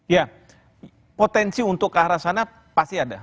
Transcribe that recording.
ya potensi untuk ke arah sana pasti ada